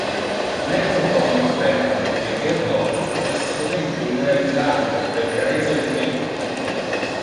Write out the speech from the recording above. Mesmo pro un experte, leger toto es sovente irrealisabile per carentia de tempore.